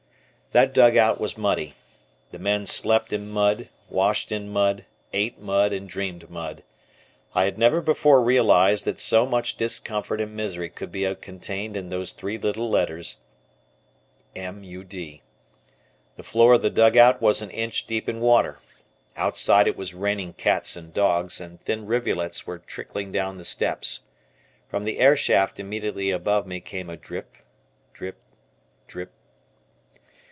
That dugout was muddy. The men slept in mud, washed in mud, ate mud, and dreamed mud. I had never before realized that so much discomfort and misery could be contained in those three little letters, MUD. The floor of the dugout was an inch deep in water. Outside it was raining cats and dogs, and thin rivulets were trickling down the steps. From the airshaft immediately above me came a drip, drip, drip.